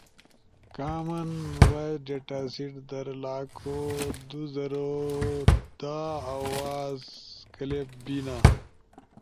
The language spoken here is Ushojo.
کامن وائس ڈیٹا سیٹ در لاکھو دو زرو دا آواز کلپس بینا